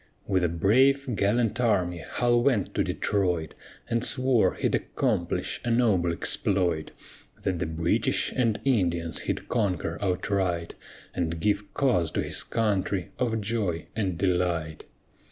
With a brave, gallant army HULL went to Detroit, And swore he'd accomplish a noble exploit; That the British and Indians he'd conquer outright, And give cause to his country of joy and delight.